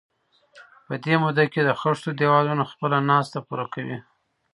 په دې موده کې د خښتو دېوالونه خپله ناسته پوره کوي.